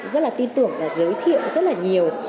rất là tin tưởng và giới thiệu rất là nhiều